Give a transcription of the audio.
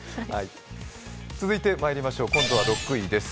続いてまいりましょう、今度は６位です。